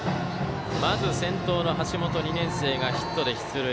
まず先頭の橋本、２年生がヒットで出塁。